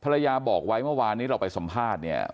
ระยะบอกไว้เมื่อวานนี้เราไปสัมภาษณ์เนี่ย